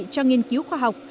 cho nghiên cứu khoa học